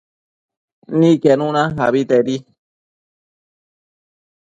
Niquenuna abetedi